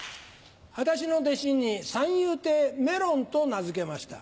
私の弟子に三遊亭メロンと名付けました。